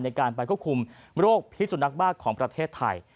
ในการไปควบคุมโรคพิสุนักบ้าของประเทศไทย